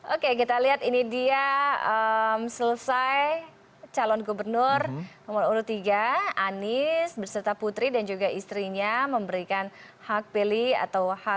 oke kita lihat ini dia selesai calon gubernur nomor urut tiga anies berserta putri dan juga istrinya memberikan hak pilih atau hak